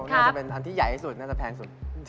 น่าจะเป็นพันธุ์ที่ใหญ่ที่สุดน่าจะแพงสุด